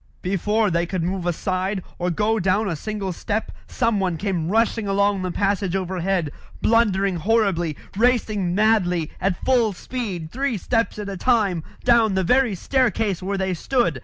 Before they could move aside, or go down a single step, someone came rushing along the passage overhead, blundering horribly, racing madly, at full speed, three steps at a time, down the very staircase where they stood.